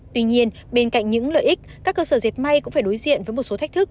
tuy nhiên bên cạnh những lợi ích các cơ sở dẹp may cũng phải đối diện với một số thách thức